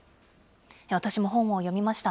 私も本を読みました。